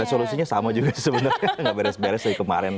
resolusinya sama juga sebenarnya gak beres beres dari kemarin